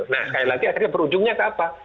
nah sekali lagi akhirnya berujungnya ke apa